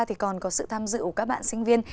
thì còn có sự tham dự của các bạn sinh viên